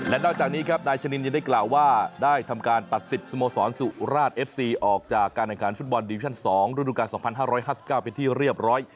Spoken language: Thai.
และนอกจากนี้ครับนายชะนินยังได้กล่าวว่าได้ทำการตัดสิทธิ์สโมสรสุราชเอฟซีออกจากการแข่งขันฟุตบอลดิวิชั่น๒ฤดูการ๒๕๕๙เป็นที่เรียบร้อย